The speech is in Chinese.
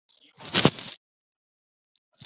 伟人汉诺的军队成功解除由提卡的封锁。